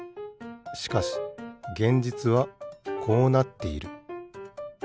しかし現実はこうなっている。